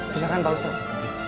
silahkan pak ustadz